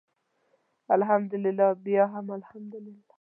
الحمدلله بیا هم الحمدلله.